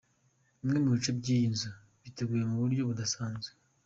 Bimwe mu bice by’iyi nzu biteguye mu buryo budasanzwe!.